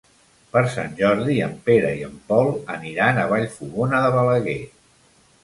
Per Sant Jordi en Pere i en Pol aniran a Vallfogona de Balaguer.